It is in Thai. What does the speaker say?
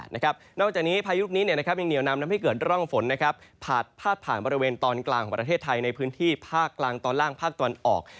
นอกจากนี้พายุลูกนี้ยังเหนียวนำทำให้เกิดร่องฝนพาดผ่านบริเวณตอนกลางของประเทศไทยในพื้นที่ภาคกลางตอนล่างภาคตะวันออก